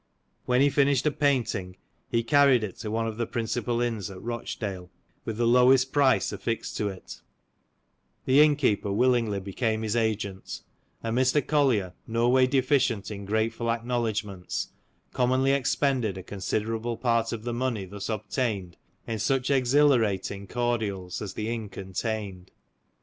When he finished a painting h& carried it to one of the principal inns at Eochdale, with the lowest price affixed to it ; the innkeeper willingly became his agent, and Mr. Collier no way deficient in grateful acknowledgments, commonly expended a considerable part of the money thus obtained in such exhilirating cordials as the inn contained.